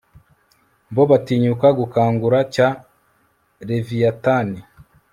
bo batinyuka gukangura cya leviyatani